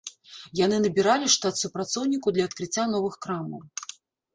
Яны набіралі штат супрацоўнікаў для адкрыцця новых крамаў.